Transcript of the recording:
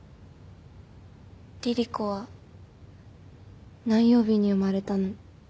リリ子は何曜日に生まれたの？